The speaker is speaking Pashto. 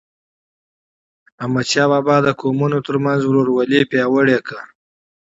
احمدشاه بابا د قومونو ترمنځ ورورولي پیاوړی کړه.